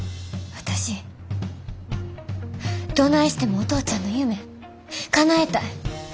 私どないしてもお父ちゃんの夢かなえたい。